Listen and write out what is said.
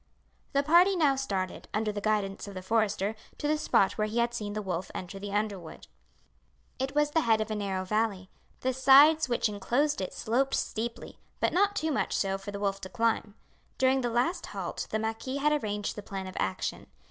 The party now started, under the guidance of the forester, to the spot where he had seen the wolf enter the underwood. It was the head of a narrow valley. The sides which inclosed it sloped steeply, but not too much so for the wolf to climb. During the last halt the marquis had arranged the plan of action.